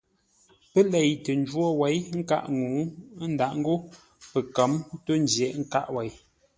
Pə́ lei tə njwó wěi nkâʼ ŋuu, ə́ ndǎʼ ńgó pəkə̌m ntôʼ jə̂ghʼ nkâʼ wêi.